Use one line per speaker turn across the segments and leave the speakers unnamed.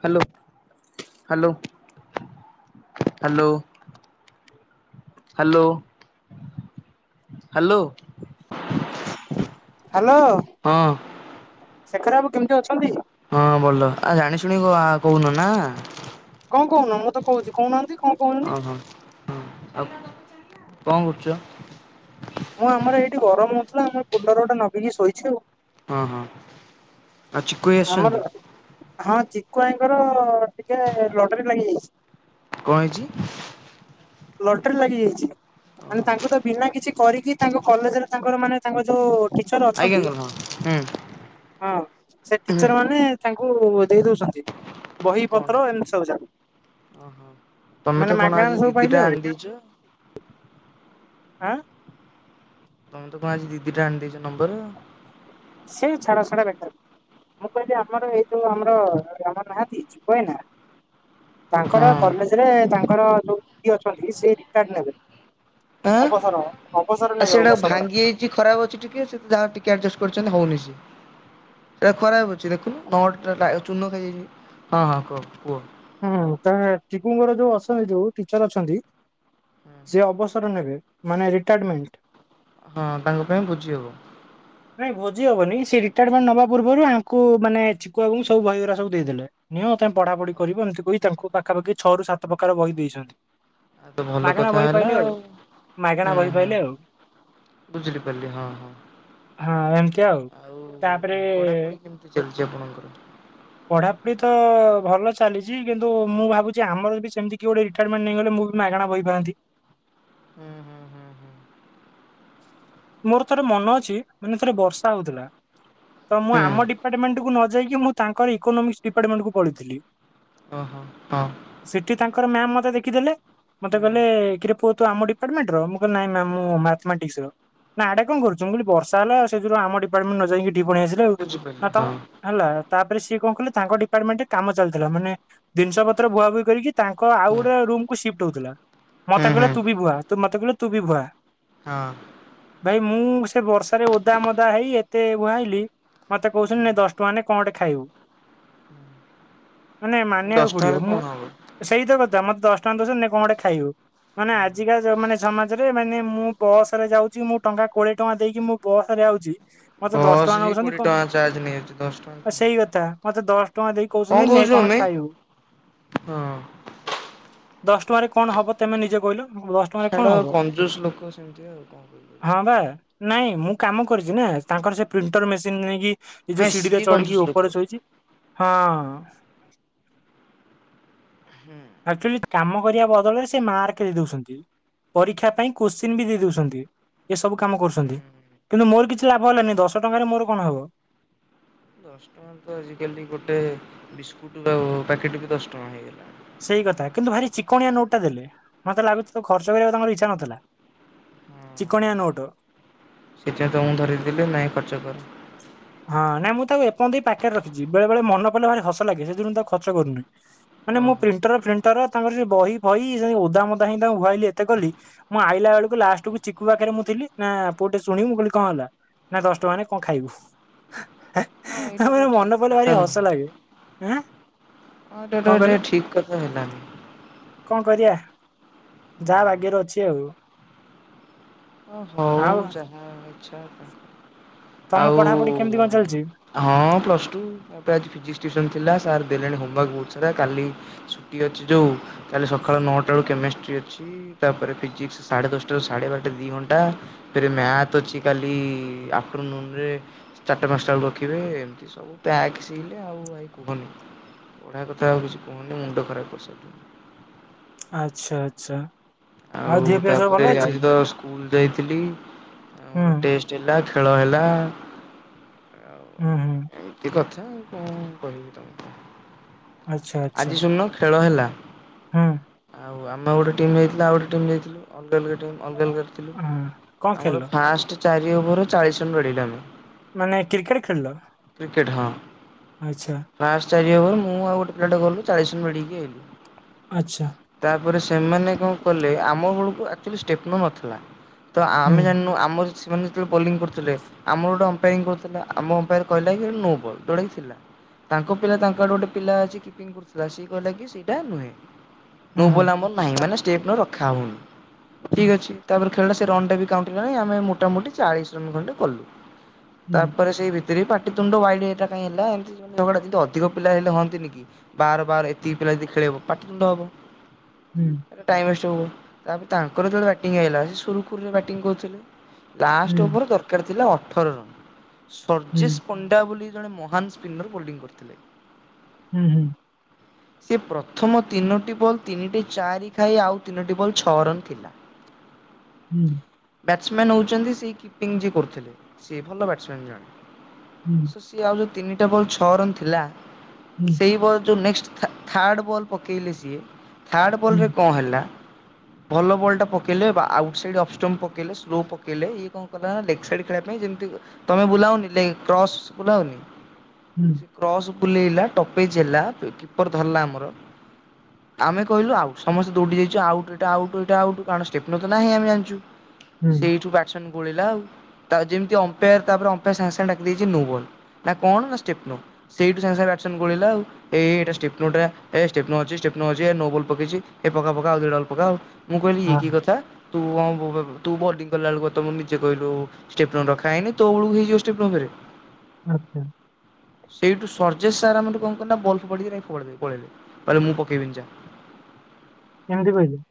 Hello, hello, hello hello, hello.
Hello. Shekhar ବାବୁ କେମିତି ଅଛନ୍ତି?
ହଁ ଭଲ। ଆ ଜାଣି ଶୁଣି ଆ କହୁନ ନା?
କଣ କହୁନ ମୁଁ ତ କହୁଛି କହୁନାହାନ୍ତି କଣ
ହଁ
କହୁଛନ୍ତି?
ହଁ। ଆଉ କଣ କରୁଛ?
ମୁଁ ଆମର ଏଇଠି ଗରମ ହଉଥିଲା, ଆମେ କୁଲର ଗୋଟେ ନଗେଇକି ଶୋଇଛୁ ଆଉ।
ହଁ ହଁ। ଆଉ ଚିକୁ ଭାଇ
ଆମର,
ଆସିଛନ୍ତି
ହଁ ଚିକୁ ଭାଇଙ୍କର ଟିକେ ଲଟେରୀ ଲାଗିଯାଇଛି।
କଣ ହେଇଛି?
ଲଟେରୀ ଲାଗି ଯାଇଛି।
ଓହୋ
ମାନେ ତାଙ୍କୁ ତ ବିନା କିଛି କରିକି ତାଙ୍କ କଲେଜରେ ତାଙ୍କର ମାନେ ତାଙ୍କ ଯୋଉ ଟିଚର
ଆଜ୍ଞା
ଅଛନ୍ତି
ହଁ ହୁଁ।
ହଁ, ସେ
ହୁଁ
ଟିଚର ମାନେ ତାଙ୍କୁ ଦେଇ ଦଉଛନ୍ତି।
କଣ
ବହିପତ୍ର ଏମିତି ସବୁ ଯାକ ମାନେ ମାଗଣା ସବୁ। ପାଇଲେ
ଦିଟା
ଆଉ
ଆଣିଦେଇଛୁ।
ହାଁ।
ତମେ ତ କଣ ଆଜି ଦିଦିଟା ଆଣି ଦେଇଛି ନମ୍ବର।
ସେଇ ଛାଡ ସେଟା ବେକାର। ମୁଁ କହିଲି ଆମର ଏଇ ଯୋଉ ଆମର, ଆମର ନାହାଁକି ଚିକୁ ଭାଇ ନା
ହଁ
ତାଙ୍କର
ଆଁ।
କଲେଜରେ ତାଙ୍କର ଯୋଉ ଦିଦି ଅଛନ୍ତି, ସିଏ ରିଟାର୍ଡ ନେବେ।
ଆଉ
ଅବସର, ଅବସର ନେବେ, ଅବସର।
କିଛି ଖରାପ ଅଛି ଟିକେ ସେ ଯାହା ଟିକେ ଆଡଜଷ୍ଟ କରିଛନ୍ତି ହଉନି ସେ ସେଇଟା ଖରାପ ଅଛି। ଦେଖୁନୁ ନଟ ଟା ଚୂର୍ଣ୍ଣ ଖାଇଯାଇଛି। ହଁ ହଁ କୁହ କୁହ।
ହଁ ଚିକୁଙ୍କର ଯୋଉ ଅଛନ୍ତି। ଯୋଉ ଟିଚର ଅଛନ୍ତି ସେ ଅବ ସର ନେବେ। ମାନେ ରିଟାର୍ଡମେଣ୍ଟ।
ହଁ ତାଙ୍କ ପାଇଁ ବୁଝି ହବ।
ନାଇଁ ବୁଝି ହବନି। ସେ ରିଟାୟାରମେଣ୍ଟ ନବା ପୂର୍ବରୁ ୟାଙ୍କୁ ମାନେ ଚିକୁବାବୁଙ୍କୁ ସବୁ ବହିଗୁରା ସବୁ ଦେଇଦେଲେ। ନିଅ ତମେ ପଢାପଢି କରିବଏମିତି କହି, ତାଙ୍କୁ ପାଖାପାଖି ଛଅ ରୁ ସାତ ପ୍ରକାର ବହି ଦେଇଛନ୍ତି।
ଆଉ ତ ଭଲ
ମାଗଣା
କଥା
ବହି
ହେଲା
ପାଇଲେ ଆଉ, ମାଗଣା
ହୁଁ
ବହି
ହୁଁ
ପାଇଲେ ଆଉ।
ବୁଝିଲି ପାରିଲି ହଁ ହଁ,
ହଁ ଏମିତି
ଆଉ
ତାପରେ
ପଢାପଢି କେମତି? କି ଚାଲିଛି ଆପଣଙ୍କର?
ପଢାପଢି ତ ଭଲ ଚାଲିଛି କିନ୍ତୁ ମୁଁ ଭାବୁଛି ଆମର ବି ସେମିତି କିଛି ଗୋଟେ ରିଟାର୍ଡ଼ମେଣ୍ଟ ନେଇଗଲେ ମୁଁ ବି ମାଗଣା ବହି ପାଆନ୍ତି।
ହୁଁ ହୁଁ ହୁଁ। ହୁଁ।
ମୋର ଥରେ ମନ ଅଛି ମାନେ ଥରେ ବର୍ଷା ହଉଥିଲା। ତ ମୁଁ
ହୁଁ
ଆମ ଡିପାର୍ଟମେଣ୍ଟକୁୁ ନ ଯାଇକି ମୁଁ ତାଙ୍କର ଇକୋନୋମିକ୍ସ ଡିପାର୍ଟମେଣ୍ଟ କୁ ପଳେଇଥିଲି।
ଓ ହୋ ହଁ।
ସେଠି ତାଙ୍କର ମ୍ୟାାମ ମତେ ଦେଖିଦେଲେ ମୋତେ
ହୁଁ
କହିଲେ କିରେ ପୁଅ- ତୁ ଆମ ଡିପାର୍ଟମେଣ୍ଟ ର ମୁଁ କହିଲି ନାଇଁ ମ୍ୟାମ୍ ମୁଁ ମ୍ୟାଥ୍ ମେଟିକଶ୍ ର। ନା ୟାଡେ କଁ କରୁଚୁ ମୁଁ କହିଲି ବର୍ଷା ହେଲା ଆଉ ସେଥିରୁ ଆମ ଡିପାର୍ଟମେଣ୍ଟକୁ ନ ଯାଇକି ଏଠିକି ପଳେଇ ଆସିଲି,
ବୁଝିପାରିଲି
ଆଉ ତ
ହଁ
ହେଲା ତାପରେ ସିଏ କଁ କଲେ ତାଙ୍କ ଡିପାର୍ଟମେଣ୍ଟ ରେ କାମ ଚାଲିଥିଲା ମାନେ ଜିନିଷ ପତ୍ର ବୁହାବୁହି କରିକି ତାଙ୍କ ଆଉ
ହୁଁ।
ଗୋଟେ ରୁମକୁୁ ସିଫ୍ଟ ହଉଥିଲା
ହୁଁ
ମତେ
ହୁଁ
କହିଲେ ତୁ ବି ବୁହା ମତେ କହିଲେ ତୁ ବି ବୁହା।
ହଁ।
ଭାଇ ମୁଁ ସେ ବର୍ଷାରେ ଓଦା ମଦା ହେଇ ଏତେ ବୁହାଇଲି ମତେ କହୁଛନ୍ତି ନେ ଦଶ ଟଙ୍କା ନେ କଁ ଗୋଟେ ଖାଇବୁ, ମାନେ
ଦଶ
ମାନିବାକୁ
ଟଙ୍କାରେ
ପଡିବ
କଣ
ମୁଁ
ହବ?
ସେଇତ କଥା ମତେ ଦଶ ଟଙ୍କା ଦୋଉଛନ୍ତି ନେ କଁ ଗୋଟେ ଖାଇବୁ। ମାନେ ଆଜିକା ଜ ମାନେ ସମାଜରେ ମାନେ ମୁଁ ବସ ରେ ଯାଉଛି ମୁଁ ଟଙ୍କା କୋଡିଏ ଟଙ୍କା ଦେଇକି ମୁଁ ବସରେ ଆଉଚି।
ବସ୍ ହିଁ କୋଡ଼ିଏ ଟଙ୍କା ଚାର୍ଜ ନେଇଯାଉଚି, ଦଶ ଟଙ୍କା କଣ
ସେଇ କଥା ମତେ ଦଶ ଟଙ୍କା ଦେଇ କହୁଛନ୍ତି ନେ
କହୁଛୁ
କଣ
ଅମି
ଖାଇବୁ।
ହଁ।
ଦଶ ଟଙ୍କାରେ କଣ ହବ ତେମେ ନିଜେ କହିଲ? ଦଶ ଟଙ୍କାରେ କଣ
ଛାଡ
ହବ?
କଞ୍ଜୁସ୍ ଲୋକ ସେମିତି ଆଉ କଣ
ହଁ
କରିପାରିବା।
ବା ନାଇଁ ମୁଁ କାମ କରିଛି ନା ତାଙ୍କର ସେ ପ୍ରିଣ୍ଟର ମେସିନ ନେଇକି ଏ ଯୋଉ
ନାଇଁ
ସିଡି ରେ
ସିଏ କଞ୍ଜୁସ
ଚଢିକି ଉପରେ
ଲୋକ।
ଶୋଇଚି, ହଁ।
ହୁଁ
ଆଚୁଲି କାମ କରିବା ବଦଳରେ ସେ ମାର୍କ ଦେଇ ଦଉଛନ୍ତି। ପରୀକ୍ଷା ପାଇଁ କୋଶ୍ଚିନ୍ ବି ଦେଇ ଦଉଛନ୍ତି ଏସବୁ କାମ
ହୁଁ
କରୁଚନ୍ତି। କିନ୍ତୁ ମୋର କିଛି ଲାଭ ହେଲାନି ଦଶ ଟଙ୍କାରେ ମୋର କଣ ହବ।
ଦଶ ଟଙ୍କା ତ ଆଜିକାଲି ଗୋଟେ ବିସ୍କୁଟ ବା ପ୍ୟାକେଟ ବି ଦଶ ଟଙ୍କା ହେଇଗଲା।
ସେଇ କଥା କିନ୍ତୁ ଭାରି ଚିକଣିଆ ନୋଟ ଟା ଦେଲେ ମତେ ଲାଗୁଚି ଖର୍ଚ୍ଚ କରିବା ତାଙ୍କର ଇଚ୍ଛା ନଥିଲା। ଚିକଣିଆ ନୋଟ।
ସେଥିପାଇ ତମକୁ ଧରେଇଦଲେ ନାଇଁ ଖର୍ଚ୍ଚ କର।
ହଁ ନାଇ ମୁଁ ତାକୁ ଏପନ୍ତ ବି ପାଖରେ ରଖିଛି ବେଳେ ବେଳେ ମନ ପଇଲେ ଭାରି ହସ ଲାଗେ ସେଦିନୁ ତାକୁ ଖର୍ଚ କରୁନି। ମାନେ ମୁଁ
ଓହୋ
ପ୍ରିଣ୍ଟର ପ୍ରିଣ୍ଟର ତାଙ୍କର ସେ ବହି ଫହି ଓଦା ମୋଦା ହେଇ ତାଙ୍କୁୁବୁଆଇଲି ଏତେ କଲି ମୁଁ ଆଇଲା ବେଳକୁ ଲାଷ୍ଟ କୁ ଚିକୁୁ ପାଖରେ ମୁଁ ଥିଲି ନା ପୁଅ ଟିକେ ଶୁଣି ମୁଁ କହିଲି କଣ ହେଲା। ନା ଦଶ ଟଙ୍କାରେ କଁ ଖାଇବୁ।
ହଁ ଏଇଟା
ଆମର
ତ ଠିକ
ମନ ପଇଲେ
କଥା
ଭାରି
ନୁହଁ।
ହସ ଲାଗେ, ଆଁ। କଣ
[unintelligible] ଠିକ କଥା ହେଲାନି।
କଁ କରିଆ ଯାହା ଭାଗ୍ୟରେ ଅଛି ଆଉ।
ହଉ,
ଆଉ
ଯାହା ଇଛା।
ତମ ପଢାପଢି କେମିତି କଣ ଚାଲିଚି?
ହଁ ପ୍ଲସ୍ ଟୁ ମୋ ଆଜି ଫିଜିକ୍ସ ଟିୁସନ୍ ଥିଲା ସାର୍ ଦେଲେଣି ହୋମୱାର୍କ ବହୁତ ସାରା କାଲି ଛୁଟି ଅଛି ଯୋଉ କାଲି ସକାଳ ନଅଟା ରୁ କେମିଷ୍ଟ୍ରି ଅଛି ତାପରେ ଫିଜିକ୍ସ ସାଢ଼େ ଦଶଟାରୁ ସାଢେ ବାରଟା ଦି ଘ ଣ୍ଟା ଫେରେ ମ୍ୟାଥ୍ ଅଛି କାଲି ଆପ୍ଟର୍ ନୁନ ରେ ଚାଟା ପାନଷ୍ଟା କୁରଖିବେ ଏମିତି ସବୁ ପ୍ୟାକ୍ ସିଲ୍ ଆଉ ଭାଇ କୁହନି। ପଢ଼ା କଥା ଆଉ କିଛି କୁହନି ମୁଣ୍ଡ ଖରାପ କରିସାଇଲାଣୀ।
ଆଛା ଆଛା।
ଆଉ ତାପରେ ଆଜି ତ ସ୍କୁଲ ଯାଇଥିଲି ଆଉ
ହୁଁ
ମୋର ଟେଷ୍ ଟ ହେଲା ଖେଳ ହେଲା। ଆଉ
ଉଁ ହୁଁ।
ଏମିତି କଥା ଆଉ କଣ କହିବି ତମକୁ
ଆଚ୍ଛା ଆଚ୍ଛା
ଆଜି ସୁନୁ ଖେଳ ହେଲା।
ହୁଁ।
ଆଉ ଆମେ ଗୋଟେ ଟିମ୍ ହେଇଥିଲା ଆଉ ଗୋଟେ ଟିମ୍ ଯାଇଥିଲୁ। ଅଣ୍ଡେଲ୍ ଗେଟିଙ୍ଗ୍ ଅଣ୍ଡେଲଗେଟ୍ ଥିଲୁ
ହଁ। କଣ
ଆମର
ଖେଳିଲ
ଫାଷ୍ଟ ଚାରି ଓଭର ଚାଳିସି ରନ୍ ମିଳିଲା ଆମକୁ
ମାନେ କ୍ରିକେଟ୍ ଖେଳିଲ?
କ୍ରିକେଟ୍ ହଁ।
ଆଚ୍ଛା।
ଫାଷ୍ଟ ଚାରି ଓଭର ମୁଁ ଆଉ ଗୋଟେ ପିଲା ଟେ ଗଲୁ ଚାଳିସି ରନ୍ ବାଡେଇକି ଆଇଲୁ।
ଆଚ୍ଛା।
ତାପରେ ସେମାନେ କଣ କଲେ ଆମ ବେଳକୁ ଆଚୁଆଲି ଷ୍ଟେପନୋ ନଥିଲା। ତ
ହୁଁ
ଆମେ ଜାଣିନୁ ଆମର ସେମାନେ ଯେତେବେଳେ ବୋଲିଂ କରୁଥିଲେ ଆମର ଗୋଟେ ଅମ୍ପାୟାରିଂ କରୁ ଥିଲା ଆମ ଅମ୍ପାୟାର କହିଲା କି ନୋ ବଲ ଯୋଉଟାକି ଥିଲା। ତାଙ୍କ ପିଲା ତାଙ୍କ ଆଡୁ ଗୋଟେ ପିଲା ଅଛି କିପିଙ୍ଗ କରୁଥିଲା ସିଏ କହିଲା କି ସେଇଟା ନୁହେଁ
ହୁଁ ହୁଁ
ନୋବଲ ଆମର ନାହିଁ ମାନେ ଷ୍ଟେପ୍ନୋ ରଖା ହଉନି। ଠିକ୍
ହୁଁ
ଅଛି ତାପରେ ଖେଳିଲା ସେ ରନ୍ ଟା ବି କାଉଣ୍ଟ ହେଲାନି ଆମେ ମୋଟାମୋଟି ଚାଳିଶ ରନ୍ ଖଣ୍ଡେ କଲୁ। ତାପରେ ସେଇ ଭିତରେ ପାଟିତୁଣ୍ଡ ୱାଇଡ ଏଟା କାଇଁ ହେଲା ଏମତି ସବୁ ଝଗଡା ଯେନ୍ତି ଅଧିକ ପିଲା ହେଲେ ହଅନ୍ତିନି କି? ବାର ବାର ଏତିକି ପିଲା ଯଦି ଖେଳେଇବ ପାଟି ତୁଣ୍ଡ ହବ।
ହୁଁ।
ଏଟା ଟାଇମ୍ ୱେଷ୍ଟ ହେବ, ତାପରେ ତାଙ୍କର ଯେତେବେଳେ ବ୍ୟାଟିଂ ଆଇଲା ସେ ସୁରୁଖୁରୁରେ ବ୍ୟାଟିଂ କରୁଥିଲେ ଲାଷ୍ଟ ଓଭର ଦରକାର ଥିଲା ଅଠର ରନ ସରଚିସ୍ ପଣ୍ଡା ବୋଲି ଜଣେ ମହାନ୍ ସ୍ପିନର ବୋଲଡିଂ କରିଥିଲେ।
ହୁଁ ହୁଁ।
ସେ ପ୍ରଥମ ତିନୋଟି ବଲ୍ ତିନିଟି ଚାରି ଖାଇ ଆଉ ତିନୋଟି ବଲ ଛଅ ରନ୍ ଥିଲା।
ହୁଁ।
ବ୍ୟାଟ୍ସମ୍ୟାନ୍ ହଉଚନ୍ତି ସେଇ କିପିଙ୍ଗ ଯିଏ କରୁଥିଲେ ସିଏ ଭଲ ବ୍ୟାଟ୍ସମ୍ୟାନ୍ ଜଣେ।
ହୁଁ।
ସୋ ସିଏ ଆଉ ଯୋଉ ତିନିଟା ବଲ୍ ଛଅ ରନ୍ ଥିଲା, ସେଇ ବଲ୍ ଯୋଉ ନେକ୍ସଟ୍ ଥା ଥାର୍ଡ ବଲ୍ ପକେଇଲେ ସିଏ ଥାର୍ଡ଼ ବଲରେ କଣ ହେଲା ଭଲ ବଲଟା ପକେଇଲେ ବା ଆଉଟ୍ ସାଇଡ଼୍ ଅପ୍ ଷ୍ଟମ୍ପ ପକେଇଲେ ସ୍ଲୋ ପକେଇଲେ ଇଏ କଣ କଲା ଲେଗ୍ ସାଇଡ଼୍ ଖେଳିବା ପାଇଁ ଯେମିତି ତମେ ବୁଲାଅନି ଲେ କ୍ରସ ବୁଲାଅନି?
ହୁଁ।
ସେ କ୍ରସ୍ ବୁଲେଇଲା ଟପେଜ୍ ହେଲା କିପର ଧରିଲା ଆମର ଆମେ କହିଲୁ ଆଉଟ୍ ସମସ୍ତେ ଦୋଉଡିଯାଇଚୁ ଆଉଟ୍ ଏଇଟା ଆଉଟ୍ ଏଇଟା ଆଉଟ୍ କାରଣ ଷ୍ଟେପ୍ନୋ ତ ନାହିଁ ଆମେ ଜଣିଚୁ। ସେଇଠୁ ବ୍ୟାଟ୍ସମ୍ୟାନ୍ ଗୋଳେଇଲା ଆଉ ତା ଯେମିତି ଅମ୍ପାୟାର ତାପରେ ଅମ୍ପାୟାର ସାଙ୍ଗେ ସାଙ୍ଗେ ଡାକି ଦେଇଛି ନୋବଲ ନା କଣ ନା ଷ୍ଟେପେ୍ନୋ ସେଇଠୁ ସାଙ୍ଗେ ସାଙ୍ଗେ ବ୍ୟାଟ୍ସମ୍ୟାନ୍ ଗୋଳେଇଲା ଆଉ ଏ ଏ ଏଇଟା ଷ୍ଟେପ୍ନୋ ଟା ଏ ଷ୍ଟେପ୍ନୋ ଅଛି ଷ୍ଟେପ୍ନୋ ଅଛି ଏ ନୋ ବଲ ପକେଇଚି ଏ ପକା ପକା ଆଉ ଦି ଟା ବଲ୍ ପକା ଆଉ ମୁଁ କହିଲି ଇଏ କି କଥା ତୁ କଁ ବେ ତୁ ବଡିଂ କଲା ବେଳକୁ ତମ ନିଜେ କହିଲୁ ଷ୍ଟେପ୍ନୋ ରଖାହେଇନି ତୋ ବେଳୁକୁ ହେଇଯିବ ଷ୍ଟେପ୍ନୋ ଫେରେ
ଆଚ୍ଛା।
ସେଇଠୁ ସର୍ଜେଶ ସାର୍ ଆମର କଣ କଲେ ନା ବଲ୍ ଫୋପାଡିକି ଯାଇ ଫୋପାଡି ଦେଇ ପଳେଇଲେ। କହିଲେ ମୁଁ ପକେଇବିନି ଯା
ଏମିତି କହିଲେ?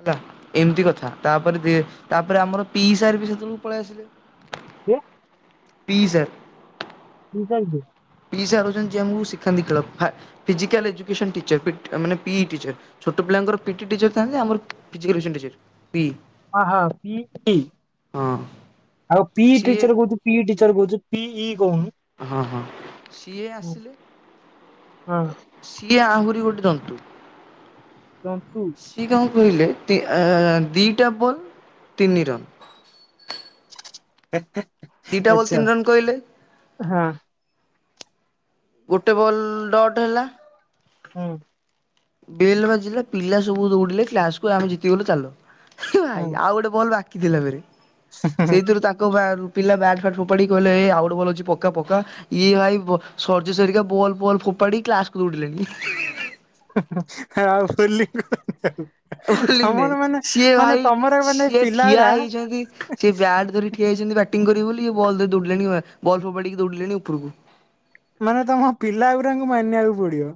ହେଲା ଏମିତି କଥା ତାପରେ ଦି ତାପରେ ଆମର ପି ସାର୍ ବି ସେତେବେଳକୁ ପଳେଇ ଆସିଲେ।
କିଏ?
P sir.
ସିଏ ଯାଇଥିଲେ?
ପି ସାର୍ ହଉଚନ୍ତି ଯିଏ ଆମକୁ ଶିଖାନ୍ତି ଖେଳ ଫା ଫିଜିକାଲ୍ ଏଜୁକେସନ୍ ଟିଚର ପିଟ୍ ମାନେ ପି ଟିଚର। ଛୋଟ ପିଲାଙ୍କର ପିଟି ଟିଚର ଥାଆନ୍ତି ଆମର ଫିଜିକାଲ୍ ଏଜୁକେସନ୍ ଟିଚର ହୁଁ।
ହଁ ହଁ ପିଟି ଆଉ ପି
ସିଏ
ଟିଚର କହୁଛୁ। ପି ଟିଚର କହୁଛୁ ପି ଇ କହୁନୁ।
ହଁ ହଁ ସିଏ
ହୁଁ,
ଆସିଲେ
ହଁ
ସିଏ ଆହୁରି ଗୋଟେ ଜନ୍ତୁ।
ଜନ୍ତୁ।
ସିଏ କଣ କହିଲେ ଆଁ ଆଁ ଦିଇଟା ବଲ୍ ତିନି ରନ୍।
[inaudible]
ଦିଇଟା ବଲ୍ ତିନି ରନ୍ କହିଲେ।
ହଁ।
ଗୋଟେ ବଲ୍ ଡଟ ହେଲା।
ହଁ।
ବେଲ୍ ବାଜିଲା ପିଲା ସବୁ ଦୌଡିଲେ କ୍ଲାସକୁୁ ଆମେ ଜିତିଗଲୁ ଚାଲ ଭାଇ
ହୁଁ
ଆଉ ଗୋଟେ ବଲ୍ ବାକି କିଥିଲା ପରେ ସେଇଥିରୁ ତାଙ୍କ ବାହାରୁ ପିଲା ବ୍ୟାଟ ଫାଟ୍ ଫୋପାଡ଼ି କହିଲେ ଆଉ ଗୋଟେ ବୋଲ୍ ଅଛି ପକା ପକା। ଇଏ ଭାଇ ସରିଯ୍ୟ ହେରିକା ବଲ ବଲ୍ ଫୋପାଡି କ୍ଲାସକୁୁ ଦୌଡିଲେନି।
ଆଉ [inaudible]
ବୋଲି କି
ତମର
ନାଇଁ
ମାନେ
ସିଏ
ମାନେ
ଭାଇ
ତମର ମାନେ
ସିଏ ଠିଆ
ପିଲାଗୁରା
ହେଇଛନ୍ତି ସେ ବ୍ୟାଟ ଧରି। ଠିଆଇଛନ୍ତି ବ୍ୟାଟିଂ କରିବେ ବୋଲି ବଲ ଦେଇ ଦୌଡ଼ିଲେଣି ବଲ ଫୋପାଡ଼ିକି ଦୌଡ଼ିଲେଣି ଉପରକୁ।
ମାନେ ତମ ପିଲାଗୁଡାଙ୍କୁ ମାନିବାକୁ ପଡିବ।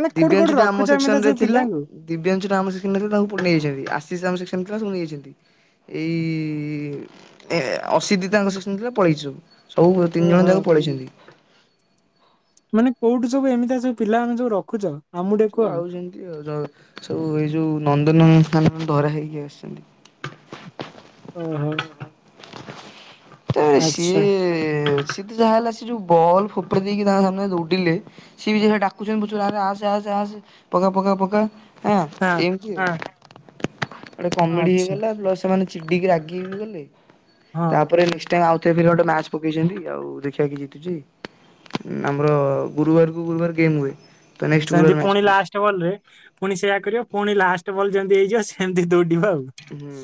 ମାନେ କୋଉଠି
ଦିବ୍ୟାଂଶୁ
କୋଉଠି
ଟା ଆମ
ରଖୁଛୁ
ସେକ୍ସନ
ଏମିତି
ରେ
ସବୁ
ଥିଲା
ପିଲାଙ୍କୁ।
ଦିବ୍ୟାଂଶୁ ଆମ ସେକ୍ସନ ଥିଲା ତାଙ୍କୁ ପଠେଇଯାଇଛନ୍ତି ଆଶିଷ ଆମ ସେକ୍ସନ ତାକୁ ନେଇଯାଇଛନ୍ତି। ଏଇ ଅସିଧି ତାଙ୍କ ସେକ୍ସନ ଥିଲା ପଳେଇଛୁୁ। ସବୁ ତିନି ଜଣ
ଓହୋ
ଯାକ ପଳେଇଛନ୍ତି।
ମାନେ କୋଉଠୁ ସବୁ ଏମିତି ଆ ସବୁ ପିଲାମାନେ ସବୁ ରଖୁଛ। ଆମକୁ ଟିକେ
ସବୁ
କୁହ।
ଆଉଛନ୍ତି ଆଉ ସବୁ ଏଇ ଯୋଉ ନନ୍ଦନକାନନ ଧରା ହେଇକି ଆସିଛନ୍ତି।
ଓହୋ।
ତ
ଆଚ୍ଛା
ସିଏ ସିଏ ତ ଯାହା ହେଲା ସେ ଯୋଉ ବଲ୍ ଫୋପାଡ଼ି ଦେଇକି ତାଙ୍କ ସାମ୍ନ ଦୌଡିଲେ। ସିଏ ବି ଡାକୁଛନ୍ତି ଆରେ ଆସେ ଆସେ ଆସେ ପକା ପକା ପକା। ହଁ ଏମିତି ଆଉ ଗଟେ କମେଡି
ଆଚ୍ଛା
ହେଇଗଲା ପ୍ଲ ଚିିଡି କି ରାଗି ଗଲେ
ହଁ
ତା ଆଉଥରେ ଗୋଟେ ମ୍ୟାଚ ପକେଇଛନ୍ତି ଆଉ ଦେଖିବା କି ଜିତୁଛି। ଆମର ଗୁରୁବାର କୁ ଗୁରୁବାର ଗେମ୍ ହୁଏ। ତ ନେକ୍ସଟ୍
ସେମିତି
ଗୁରୁବାର ମ୍ୟାଚ୍
ପୁଣି
ପଡିଛି
ଲାଷ୍ଟ ବଲ ରେ ପୁଣି ସେଇଆ କରିବ ପୁଣି ଲାଷ୍ଟ ବଲ୍ ଯେମିତି ହେଇଯିବ ସେମିତି ଦୌଡିବା ଆଉ।
ହୁଁ।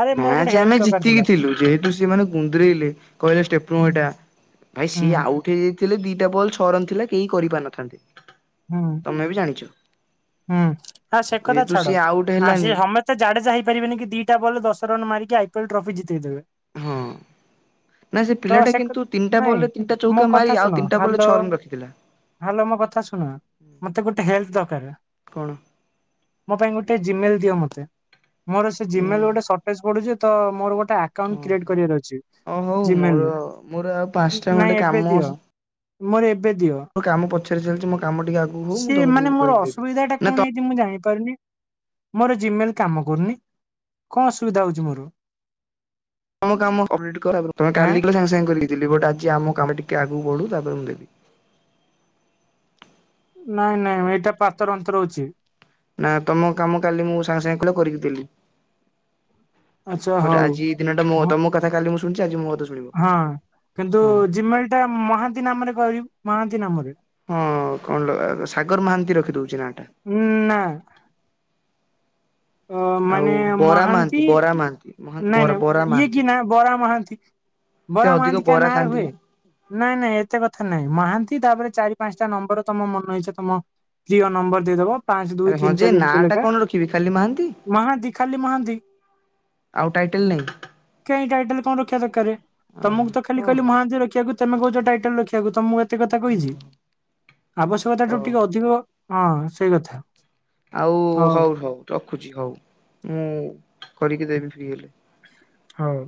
ଆରେ ମୋର ଗୋଟେ
ମ୍ୟାଚ
ହେଲ୍ପ
ଆମେ
ଦରକାର
ଜିତିକି
ଥିଲା।
ଥିଲୁ ଯେହେତୁ ସେମାନେେ ଗୁନ୍ଦରେଇଲେ କହିଲେ ଷ୍ଟେପଇଟା। ଭାଇ ସିଏ
ହୁଁ
ଆଉଟ ହେଇଯାଇଥିଲେ ଦିଟା ବଲ ଛଅ ରନ୍ ଥିଲା କେହି କରିପାରିନଥାନ୍ତେ।
ହୁଁ
ତମେ ବି ଜାଣିଛ।
ହୁଁ ହ ସେ କଥା
ଯେହେତୁ
ଛାଡ
ସିଏ ଆଉଟ୍
ଆ ସେ
ହେଲାନି
ସମ ସେ ଜାଡେଯା ହୋଇପାରିବେନି କି ଦିଟା ବଲ ଦଶ ରନ୍ ମାରିକି ଆଇପିଏଅଲ୍ ଟ୍ରଫି ଜିତେଇଦେବେ।
ହଁ। ନା ସେ ପିଲା
କ
କିନ୍ତୁ ତିନଟା
ନାଇଁ
ବଲ ରେ ତିନିଟା
ମୋ
ଚଉକା ମାରି ଆଉ ତିନିଟା ବଲ ଛଅ ରନ୍ ରଖିଥିଲା।
ହ୍ୟାଲୋ ମୋ କଥା ଶୁଣ ମତେ ଗୋଟେ ହେଲପ୍ ଦରକାର
କଣ
ମୋ ପାଇଁ ଗୋଟେ ଜିମେଲ ଦିଅ ମତେ। ମୋର ସେ
ଉଁ
ଜିମେଲ ଗୋଟେ ସଟେଜ୍ ପୁଡୁଛି ତ ମୋର ଗୋଟେ ଆ ଆକାଉଣ୍ଟ
ହଁ
କ୍ରିଏଟ କରିବାର ଅଛି
ଓ ହଉ ମୋର
ଜିମେଲରେ
ମୋର ଆଉ ପାଞ୍ଚଟା ଖଣ୍ଡେ
ନାଇଁ
କାମ
ଏବେ ଦିଅ। ମୋର ଏବେ ଦିଅ।
ମୋ କାମ ପଛରେ ଚାଲିଛି ମୋ କାମ ଟିକେ ଅ
ସିଏ ମାନେ ମୋର ଅସୁବିଧା ଟା କଣ ହେଇଛି ମୁଁ ଜାଣିପାରୁିନି। ମୋର ଜିମେଲ କାମ କରୁନି କଣ ଅସୁବିଧା ହଉଛି ମୋର।
ତମ କାମ କମ୍ପଲିଟ୍ କର ତମେ
ଆଁ
କାଲି କହିଲ ସାଙ୍ଗ ସାଙ୍ଗେ କରି କି ଦେଲି ବଟ ଆଜି ଆମ କାମ ଟିକେ ଆଗକୁ ବଢୁ ତାପରେ ମୁଁ ଦେବି।
ନାଇଁ ନାଇଁ ଏଇଟା ପାତର ଅନ୍ତର ହଉଛି।
ନା ତମ କାମ କାଲି ମୁଁ ସାଙ୍ଗେ ସାଙ୍ଗେ କହିଲ କରିକି ଦେଲି
ଆଚ୍ଛା
ବଟ
ହଉ
ଆଜି। ଦିନଟା ମୋ
ହଁ।
ତମ କଥା କାଲି ମୁଁ ଶୁଣିଛି ଆଜି ମୋ‌ କଥା ସୁ
ହଁ କିନ୍ତୁ ଜିମେଲ ଟା ମହାନ୍ତି ନାମରେ କରିବ ମହାନ୍ତି ନାମରେ।
ହଁ କଣ ଲ ସାଗର ମହାନ୍ତି ରଖିଦଉଛି ନାଟା।
ଉଁ ନା। ଅ
ଆଉ
ମାନେ
ବରା
ମହାନ୍ତି
ବରା ମହାନ୍ତି ମହା
ନାଇଁ
ବରା
ନାଇଁ
ବରା
ଇଏ
ମହାନ୍ତି।
କି ନା ବରା ମହାନ୍ତି।
ସେ
ବରା
ଅଧିକ
ମହାନ୍ତି କା
ବରା
ନା ରେ
ଖାଆନ୍ତି
ହୁଏ। ନାଇଁ ନାଇଁ ଏତେ କଥା ନାଇଁ ମହାନ୍ତି ତାପରେ ଚାରି ପାଞ୍ଚଟା ନମ୍ବର ତମ ମନ ଇଚ୍ଛା ତମ। ପ୍ରିଅ ନମ୍ବର ଦେଇଦବ ପାଞ୍ଚ ଦୁଇ ତିନି ଚାରି ଏମିତି ଲେଖା।
କି ବି ଖାଲି ମହାନ୍ତି।
ମହାନ୍ତି ଖାଲି ମହାନ୍ତି।
ଆଉ ଟାଇଟେଲ ନାହିଁ।
କାହିଁ ଟାଇଟେଲ କଁ ରଖିବା ଦରକାର ତମକୁ ତ ଖାଲି
ଓହୋ
କହିଲି
ହଉ।
ମହାନ୍ତି ରଖିବାକୁ। ତମେ କହୁଛ ଟାଇଟେଲ ରଖିବାକୁ ତ ମୁଁ ଏତେ କଥା କହିଛି ଆବଶ୍ୟକତା
ଓ
ଠୁ ଟିକେ ଅଧିକ। ହଁ ସେଇ କଥା।
ଆଉ ହଉ ହଉ ରଖୁଛି ହଉ ମୁଁ କରିକି ଦେବି ଫ୍ରି ହେଲେ।
ହଉ।